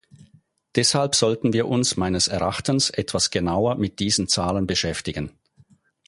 Deshalb sollten wir uns meines Erachtens etwas genauer mit diesen Zahlen beschäftigen.